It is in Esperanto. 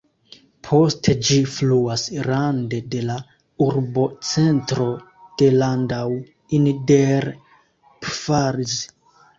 Poste ĝi fluas rande de la urbocentro de Landau in der Pfalz.